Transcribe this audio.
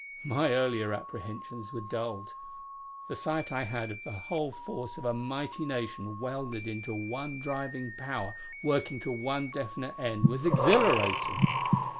My earlier apprehensions were dulled; the sight I had of the whole force of a mighty nation welded into one driving power working to one definite end was exhilarating.